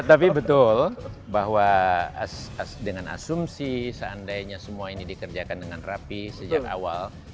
tapi betul bahwa dengan asumsi seandainya semua ini dikerjakan dengan rapi sejak awal